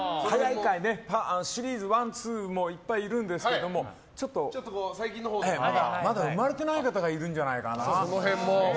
シリーズ１、２もいっぱいいるんですけどまだ生まれてない方がいるんじゃないかな。